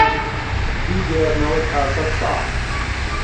بی گێڕنهوه تا سەتساڵ